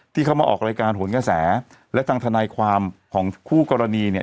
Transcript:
ที่เขามาออกรายการโหนกระแสและทางทนายความของคู่กรณีเนี่ย